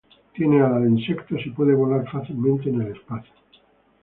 Tiene alas de insecto, y puede volar fácilmente en el espacio.